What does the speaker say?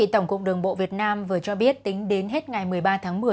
tổng cục đường bộ việt nam vừa cho biết tính đến hết ngày một mươi ba tháng một mươi